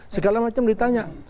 segala macam ditanya